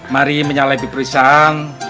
mari menyalahi perusahaan